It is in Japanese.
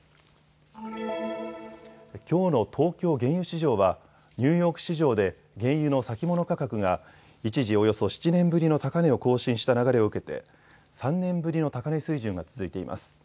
きょうの東京原油市場はニューヨーク市場で原油の先物価格が一時、およそ７年ぶりの高値を更新した流れを受けて３年ぶりの高値水準が続いています。